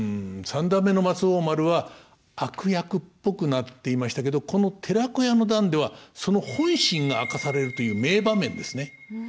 三段目の松王丸は悪役っぽくなっていましたけどこの「寺子屋の段」ではその本心が明かされるという名場面ですね。